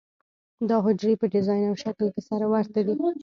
دا حجرې په ډیزاین او شکل کې سره ورته دي.